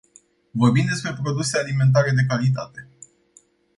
Vorbim despre produse alimentare de calitate!